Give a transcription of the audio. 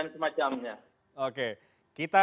semuanya sudah selesai dan semacamnya